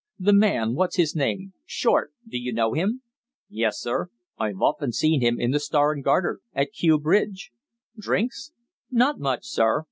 "The man what's his name? Short. Do you know him?" "Yes, sir. I've often seen him in the 'Star and Garter' at Kew Bridge." "Drinks?" "Not much, sir.